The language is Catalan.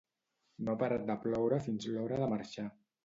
No ha parat de ploure fins l'hora de marxar